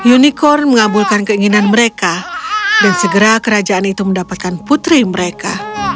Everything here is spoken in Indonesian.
unicorn mengabulkan keinginan mereka dan segera kerajaan itu mendapatkan putri mereka